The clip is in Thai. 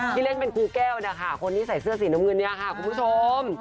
เล่นเป็นครูแก้วนะคะคนที่ใส่เสื้อสีน้ำเงินเนี่ยค่ะคุณผู้ชม